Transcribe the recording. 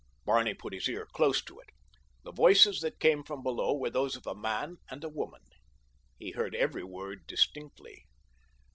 Barney put his ear close to it. The voices that came from below were those of a man and a woman. He heard every word distinctly.